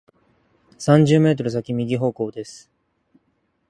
三十メートル先、右方向です。